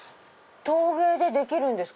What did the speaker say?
陶芸でできるんですか？